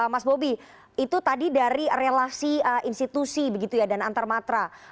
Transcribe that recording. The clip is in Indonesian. mas bobi itu tadi dari relasi institusi dan antarmatra